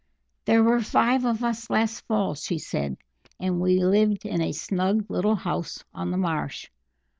"There were five of us last fall," she said, "and we lived in a snug little house on the marsh.